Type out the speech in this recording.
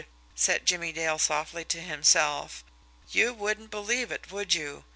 said Jimmie Dale softly to himself. "You wouldn't believe it, would you!